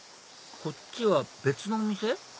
こっちは別のお店？